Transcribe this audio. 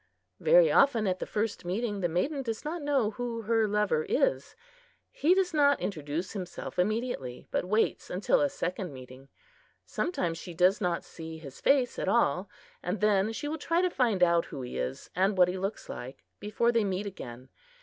Very often at the first meeting the maiden does not know who her lover is. He does not introduce himself immediately, but waits until a second meeting. Sometimes she does not see his face at all; and then she will try to find out who he is and what he looks like before they meet again.